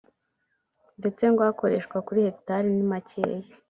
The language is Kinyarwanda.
ndetse ngo akoreshwa kuri hegitari ni makeya